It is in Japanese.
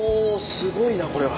すごいなこれは。